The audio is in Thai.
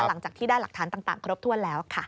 หลังจากที่ได้หลักฐานต่างครบถ้วนแล้วค่ะ